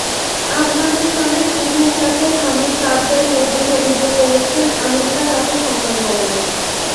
আফগানিস্তানের পুতুল শাসক হামিদ কারজাই পর্যন্ত অভিযোগ করেছেন, আমেরিকা তাঁকে সম্মান করে না।